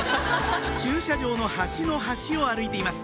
駐車場の端の端を歩いています